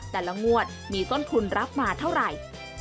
แต่ละงวดมีต้นทุนรับมาเท่าไหร่